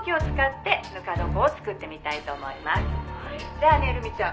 「じゃあねルミちゃん」